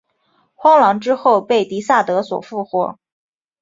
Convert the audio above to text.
荒狼之后被狄萨德所复活。